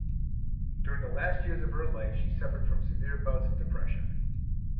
During the last years of her life, she suffered from severe bouts of depression.